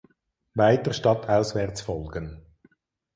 Weiter stadtauswärts folgen